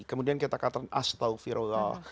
kemudian kata kata astaghfirullah